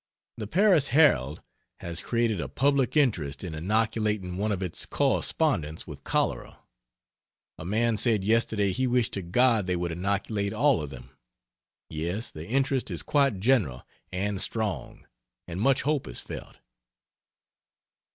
The Paris Herald has created a public interest by inoculating one of its correspondents with cholera. A man said yesterday he wished to God they would inoculate all of them. Yes, the interest is quite general and strong, and much hope is felt.